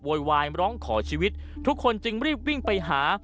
วายร้องขอชีวิตทุกคนจึงรีบวิ่งไปหา